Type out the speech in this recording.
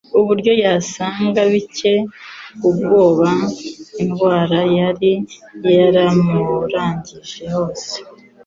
Uburyo yasaga byari bitcye ubwoba. Indwara yari yaramurangije hose,